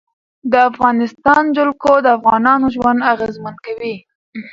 د افغانستان جلکو د افغانانو ژوند اغېزمن کوي.